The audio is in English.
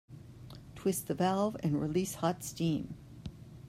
Twist the valve and release hot steam.